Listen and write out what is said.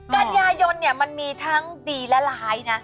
กันยายนเนี่ยมันมีทั้งดีและร้ายนะ